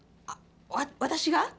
あっわ私が？